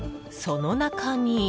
その中に？